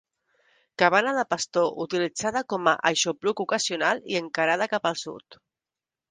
Cabana de pastor utilitzada com a aixopluc ocasional i encarada cap al sud.